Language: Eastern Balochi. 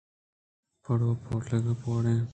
پوڑ و پوڑلُکّ پوڑائیں